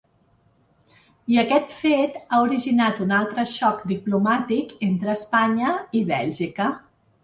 I aquest fet ha originat un altre xoc diplomàtic entre Espanya i Bèlgica.